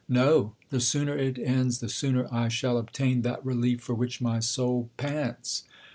No ; the sooner it ends, the sooner 1 shall obtain that relief for which my soul pants.